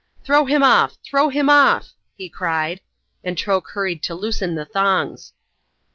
"Throw him off! Throw him off!" he cried, and Troke hurried to loosen the thongs.